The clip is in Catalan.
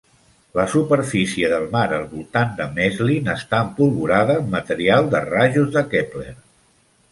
La superfície del mar al voltant de Maestlin està empolvorada amb material de rajos de Kepler.